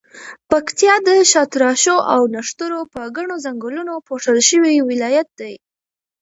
پکتیا د شاتراشو او نښترو په ګڼو ځنګلونو پوښل شوی ولایت دی.